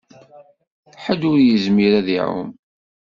Ḥedd ur yezmir ad iɛum.